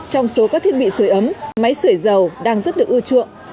trong số các thiết bị sởi ấm máy sởi dầu đang rất được ưu chuộng